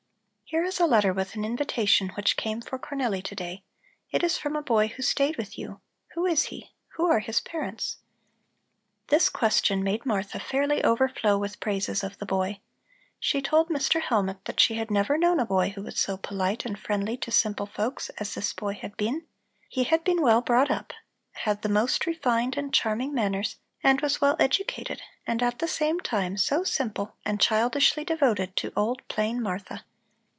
"Here is a letter with an invitation which came for Cornelli to day. It is from a boy who stayed with you. Who is he? Who are his parents?" This question made Martha fairly overflow with praises of the boy. She told Mr. Hellmut that she had never known a boy who was so polite and friendly to simple folks as this boy had been; he had been well brought up, had the most refined and charming manners, and was well educated, and at the same time so simple and childishly devoted to old, plain Martha.